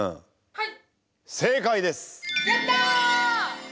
はい。